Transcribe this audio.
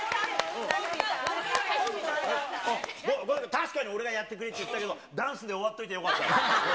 確かに俺がやってくれって言ったけど、ダンスで終わっといてよかった。